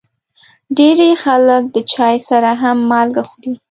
ډېری خلک د چای سره هم مالګه خوري.